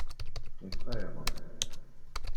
ton frère.